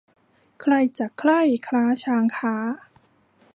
ใครจักใคร่ค้าช้างค้า